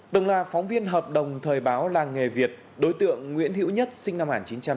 từng là phóng viên hợp đồng thời báo làng nghề việt đối tượng nguyễn hữu nhất sinh năm một nghìn chín trăm tám mươi